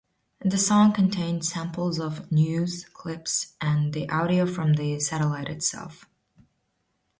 The song contained samples of news clips and the audio from the satellite itself.